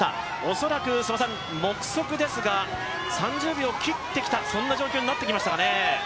恐らく、目測ですが３０秒を切ってきた状況になってきましたかね。